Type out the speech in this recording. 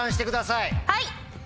はい！